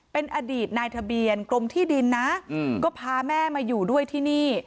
เป็นอดีตนายทะเบียนกรมที่ดินนะก็พาแม่มาอยู่ด้วยที่นี่